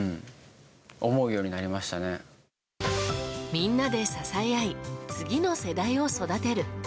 みんなで支え合い次の世代を育てる。